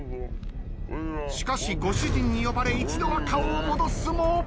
しかしご主人に呼ばれ一度は顔を戻すも。